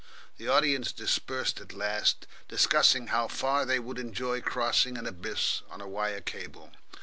The audience dispersed at last, discussing how far they would enjoy crossing an abyss on a wire cable.